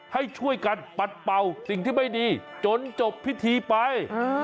ให้ช่วยกันปัดเป่าสิ่งที่ไม่ดีจนจบพิธีไป